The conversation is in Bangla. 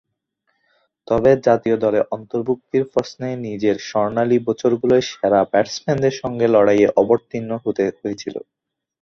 তবে জাতীয় দলে অন্তর্ভূক্তির প্রশ্নে নিজের স্বর্ণালী বছরগুলোয় সেরা ব্যাটসম্যানদের সঙ্গে লড়াইয়ে অবতীর্ণ হতে হয়েছিল।